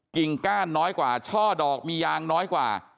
ก้านน้อยกว่าช่อดอกมียางน้อยกว่า